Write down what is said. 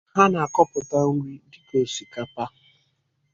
ha na-akọpụta nri dịka osikapa